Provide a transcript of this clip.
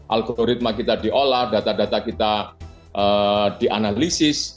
algoritma kita diolah data data kita dianalisis